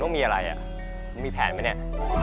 มึงมีอะไรอ่ะมึงมีแผนไหมเนี่ย